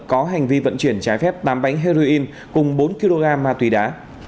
có hành vi vận chuyển trái phép tám bánh heroin cùng bốn kg ma túy đá